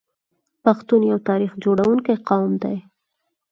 پښتون یو تاریخ جوړونکی قوم دی.